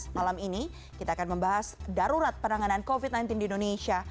malam ini kita akan membahas darurat penanganan covid sembilan belas di indonesia